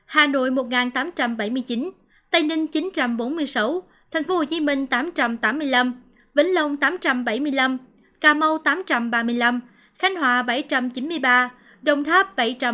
hà nội một nghìn tám trăm bảy mươi chín tây ninh chín trăm bốn mươi sáu tp hcm tám trăm tám mươi năm vĩnh long tám trăm bảy mươi năm cà mau tám trăm ba mươi năm khánh hòa bảy trăm chín mươi ba đồng tháp bảy trăm ba mươi